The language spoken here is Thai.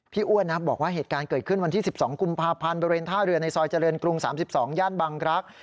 อ้วนนะบอกว่าเหตุการณ์เกิดขึ้นวันที่๑๒กุมภาพันธ์บริเวณท่าเรือในซอยเจริญกรุง๓๒ย่านบังรักษ์